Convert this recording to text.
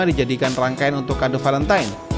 dijadikan rangkaian untuk kado valentine